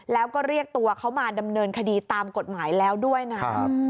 แล้วก็เรียกตัวเขามาดำเนินคดีตามกฎหมายแล้วด้วยนะครับ